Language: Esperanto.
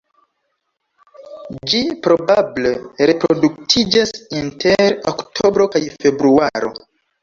Ĝi probable reproduktiĝas inter oktobro kaj februaro.